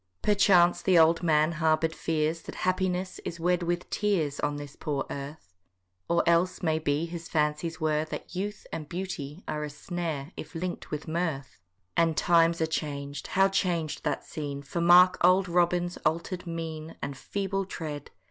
Perchance the old man harbour'd fears That happiness is wed with tears On this poor earth: Or else, may be, his fancies were That youth and beauty are a snare If link'd with mirth. And times are chang'd,—how chang'd that scene, For mark old Robin's alter'd mien, And feeble tread.